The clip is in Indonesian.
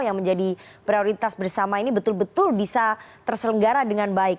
yang menjadi prioritas bersama ini betul betul bisa terselenggara dengan baik